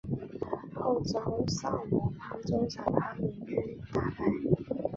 后遭萨摩藩长州藩联军打败。